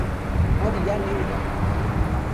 ما دیگر نمی دویم.